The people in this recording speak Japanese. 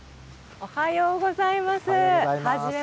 おはようございます。